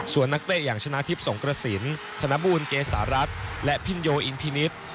ส่วนนักเตะอย่างชนะทิพย์สงกระสินธนบูลเกษารัฐและพินโยอินพินิษฐ์